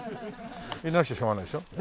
入れなくちゃしょうがないでしょ。